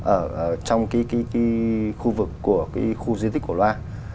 ở trong khu vực của khu duy tích của loa